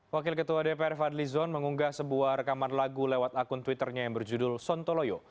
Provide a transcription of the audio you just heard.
wakil ketua dpr fadli zon mengunggah sebuah rekaman lagu lewat akun twitternya yang berjudul sontoloyo